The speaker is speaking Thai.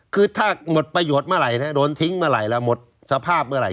คือถ้าหมดประโยชน์เมื่อไหร่โดนทิ้งเมื่อไหร่แล้วหมดสภาพเมื่อไหร